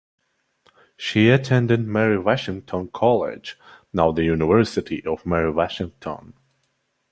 She attended Mary Washington College (now the University of Mary Washington).